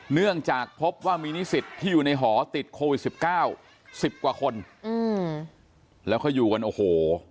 เนื่องจากพบว่ามีนิสิตที่อยู่ในหอติดโควิด๑๙สิบกว่าคนอืมแล้วเขาอยู่กันโอ้โห